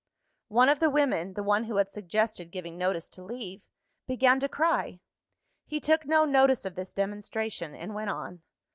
One of the women (the one who had suggested giving notice to leave) began to cry. He took no notice of this demonstration, and went on.